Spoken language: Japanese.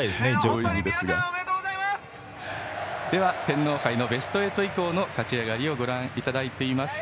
では天皇杯のベスト８以降の結果をご覧いただいています。